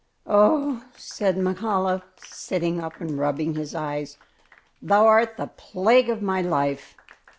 "Oh!" said Mahala, sitting up and rubbing his eyes, "thou art the plague of my life.